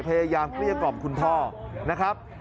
พยายามกลี้กล่อมคุณพ่อนะครับ